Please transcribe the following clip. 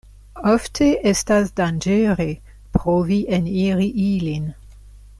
Ofte estas danĝere provi eniri ilin.